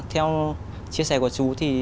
theo chia sẻ của chú thì